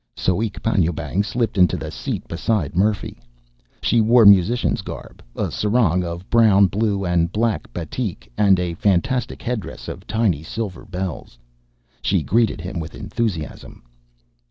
Soek Panjoebang slipped into the seat beside Murphy. She wore musician's garb: a sarong of brown, blue, and black batik, and a fantastic headdress of tiny silver bells. She greeted him with enthusiasm.